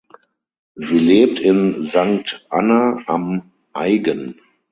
Sie lebt in Sankt Anna am Aigen.